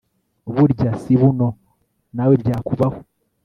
burya si buno nawe byakubaho